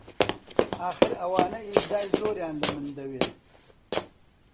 ئاخر ئەوانە ئیمزای زۆریان لە من دەوێ!